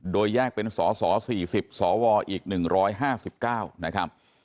โดยแยกเป็นสส๔๐สวอีก๑๕๙นะครับ